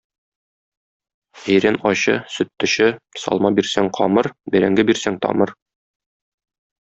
Әйрән ачы, сөт төче, салма бирсәң камыр, бәрәңге бирсәң тамыр.